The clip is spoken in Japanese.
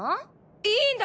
いいんだ